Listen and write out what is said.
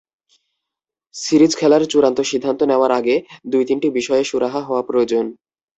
Series খেলার চূড়ান্ত সিদ্ধান্ত নেওয়ার আগে দুই-তিনটি বিষয়ে সুরাহা হওয়া প্রয়োজন।